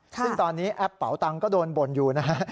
ซึ่งตอนนี้แอปเป๋าตังค์ก็โดนบ่นอยู่นะฮะ